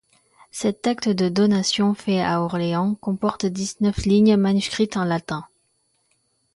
Cet acte de donation fait à Orléans comporte dix-neuf lignes manuscrites en latin.